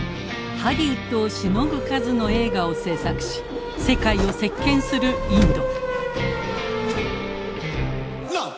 ハリウッドをしのぐ数の映画を製作し世界を席けんするインド。